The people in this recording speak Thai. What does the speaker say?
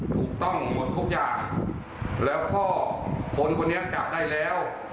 ถูกต้องหมดทุกอย่างแล้วก็คนคนนี้จับได้แล้ว